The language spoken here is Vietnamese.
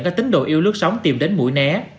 các tính độ yêu lướt sống tìm đến mùa né